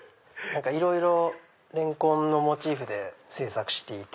いろいろレンコンのモチーフで制作していて。